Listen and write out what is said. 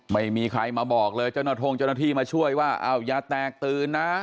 ไม่มีใครมาบอกเลยเจ้าหน้าที่มาช่วยว่าอ้าวอย่าแตกตื่นนะ